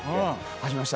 初めまして。